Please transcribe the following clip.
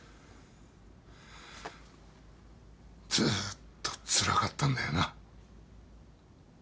ずーっとつらかったんだよな。